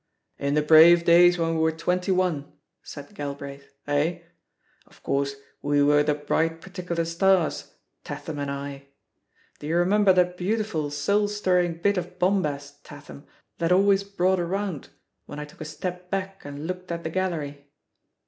"In the brave days when we were twenty one," said Galbraith, "eh? Of course, we were the bright particular stars, Tatham and I! Do you remember that beautiful, soul stirring bit of bombast, Tatham, that always brought a round. 108 THE POSITION OF PEGGY HARPER when I took a step back and looked at the gal lery?"